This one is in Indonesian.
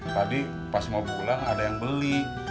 tadi pas mau pulang ada yang beli